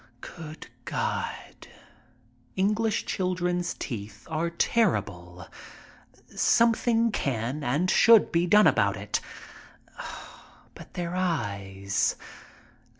Good God! English children's teeth are terrible! Something can and should be done about it. But their eyes.